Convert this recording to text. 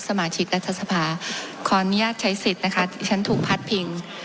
สมาชิกรัฐสภาครณยช้ายสิตนะครับที่ฉันถูกพัดพิง